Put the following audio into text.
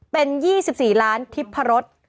เป็น๒๔ล้านทิพรส